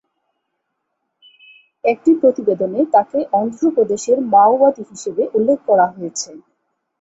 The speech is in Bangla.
একটি প্রতিবেদনে তাকে অন্ধ্রপ্রদেশের মাওবাদী হিসেবে উল্লেখ করা হয়েছে।